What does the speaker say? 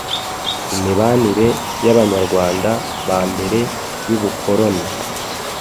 imibanire yabanyarwanda bambere yubukoroni